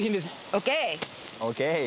ＯＫ